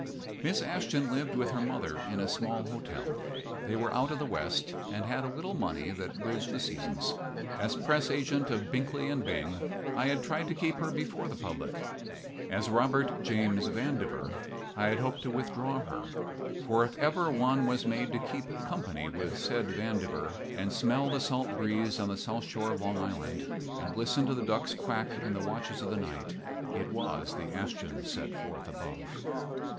Miss Ashton lived with her mother in a small hotel. They were out of the West, and had a little money that bridged the seasons. As press agent of Binkley & Bing I had tried to keep her before the public. As Robert James Vandiver I had hoped to withdraw her; for if ever one was made to keep company with said Vandiver and smell the salt breeze on the south shore of Long Island and listen to the ducks quack in the watches of the night, it was the Ashton set forth above.